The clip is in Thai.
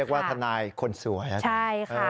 ว่าทะนายคนสวย